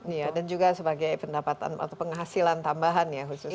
iya dan juga sebagai pendapatan atau penghasilan tambahan ya khususnya